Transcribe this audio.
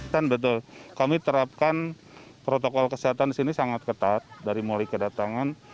kan betul kami terapkan protokol kesehatan di sini sangat ketat dari mulai kedatangan